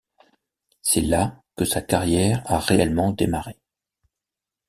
C'est là que sa carrière a réellement démarré.